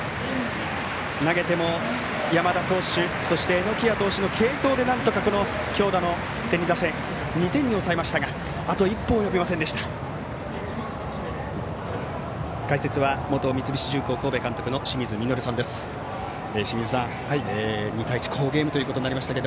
投げても山田投手、榎谷投手の継投でなんとか強打の天理打線を２点に抑えましたがあと一歩及びませんでした。